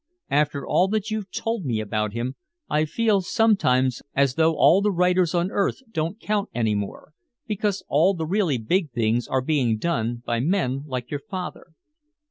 After all that you've told me about him, I feel sometimes as though all the writers on earth don't count any more, because all the really big things are being done by men like your father."